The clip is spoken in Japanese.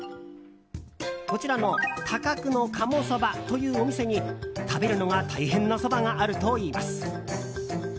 こちらのタカクノカモソバというお店に食べるのが大変なそばがあるといいます。